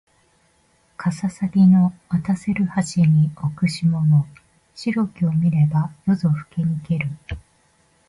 かささぎの渡せる橋に置く霜の白きを見れば夜ぞふけにける